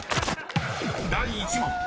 ［第１問］